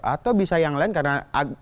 atau bisa yang lain karena